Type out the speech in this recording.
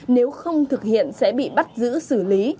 nếu không thực hiện sẽ bị bắt giữ xử lý